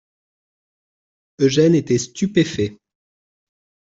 Eugène était stupéfait.